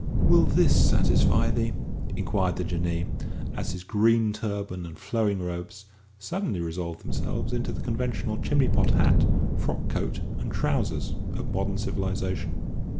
"Will this satisfy thee?" inquired the Jinnee, as his green turban and flowing robes suddenly resolved themselves into the conventional chimney pot hat, frock coat, and trousers of modern civilisation.